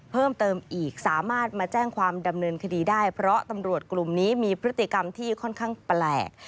เพิ่มเติมอีกสามารถมาแจ้งความดำเนินคดีได้เพราะตำรวจกลุ่มนี้มีพฤติกรรมที่ค่อนข้างแปลก